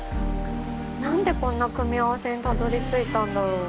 なんでこんな組み合わせにたどりついたんだろう？